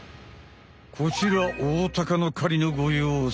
こちらオオタカの狩りのごようす。